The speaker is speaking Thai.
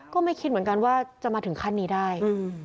ก็ไม่คิดเหมือนกันว่าจะมาถึงขั้นนี้ได้